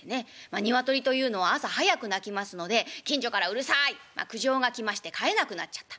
ニワトリというのは朝早く鳴きますので近所から「うるさい」苦情が来まして飼えなくなっちゃった。